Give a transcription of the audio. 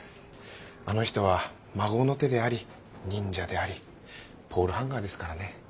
あの人は孫の手であり忍者でありポールハンガーですからね。